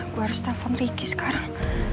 gue harus telpon ricky sekarang